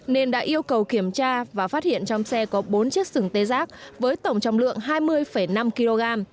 nên đã yêu cầu kiểm tra và phát hiện trong xe có bốn chiếc sừng tê giác với tổng trọng lượng hai mươi năm kg